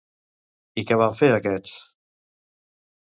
I què van fer aquests?